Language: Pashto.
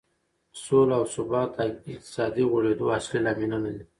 سوله او ثبات د اقتصادي غوړېدو اصلي لاملونه دي.